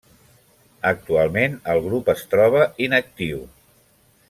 Actualment el grup es troba inactiu.